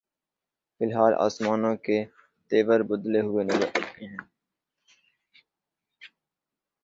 فی الحال آسمانوں کے تیور بدلے ہوئے نظر آتے ہیں۔